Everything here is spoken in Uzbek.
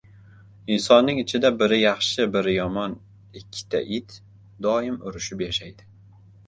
• Insonning ichida biri yaxshi biri yomon ikkita it doim urishib yashaydi.